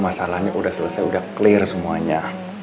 masalahnya udah selesai udah clear semuanya